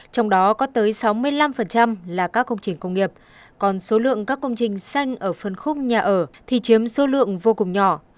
trong đó có tới sáu mươi năm là các công trình công nghiệp còn số lượng các công trình xanh ở phân khúc nhà ở thì chiếm số lượng vô cùng nhỏ